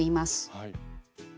はい。